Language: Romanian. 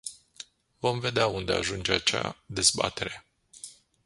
Vom vedea unde ajunge acea dezbatere.